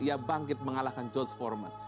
ia bangkit mengalahkan george forman